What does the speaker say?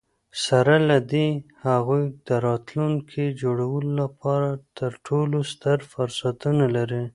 سره له دي، هغوی د راتلونکي د جوړولو لپاره تر ټولو ستر فرصتونه لري.